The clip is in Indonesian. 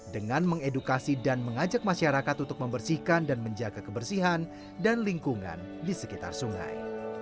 dengan mengedukasi dan mengajak masyarakat untuk membersihkan dan menjaga kebersihan dan lingkungan di sekitar sungai